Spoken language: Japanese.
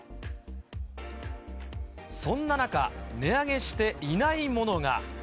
そんな中、値上げしていないものが。